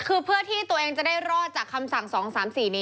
คือเพื่อที่ตัวเองจะได้รอดจากคำสั่ง๒๓๔นี้